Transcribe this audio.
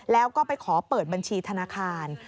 แล้วก็ไปขอเปิดบัญชีธนาคาร